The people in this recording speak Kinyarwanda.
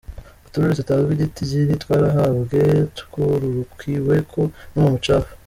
Utururi tutazwi igitigiri twarahambwe twururukiweko n'uwo mucafu.